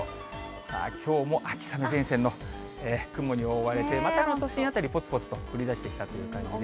さあ、きょうも秋雨前線の雲に覆われて、また都心辺り、ぽつぽつと降りだしてきたって感じで。